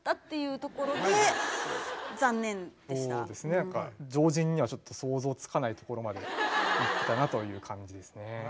やっぱ常人にはちょっと想像つかないところまでいってたなという感じですね。